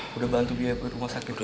sudah bantu biaya rumah sakit gua